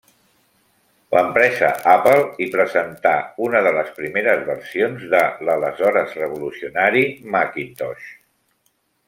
L'empresa Apple hi presentà una de les primeres versions de l'aleshores revolucionari Macintosh.